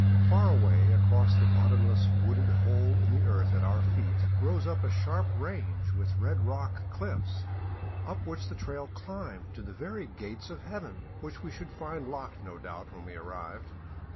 Far away across the bottomless wooded hole in the earth at our feet rose a sharp range with red rock cliffs up which the trail climbed to the very gates of heaven — which we should find locked no doubt when we arrived.